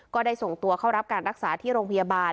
ก็ได้ส่งตัวเข้ารับการรักษาที่โรงพยาบาล